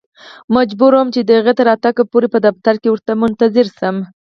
مجبور وم چې د هغې تر راتګ پورې په دفتر کې ورته منتظر شم.